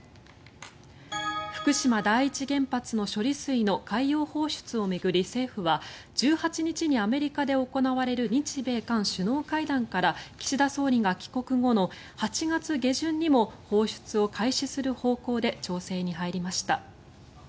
福島第一原発の処理水の海洋放出を巡り、政府は１８日にアメリカで行われる日米韓首脳会談から岸田総理が帰国後の８月下旬にも放出を開始する方向で調整に入りました。